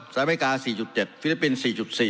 อเมริกา๔๗ฟิลิปปินส์๔๔